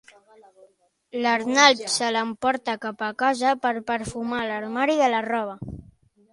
L'Arnald se l'emporta cap a casa per perfumar l'armari de la roba.